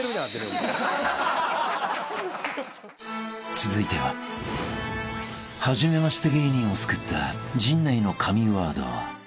［続いては初めまして芸人を救った陣内の神ワード］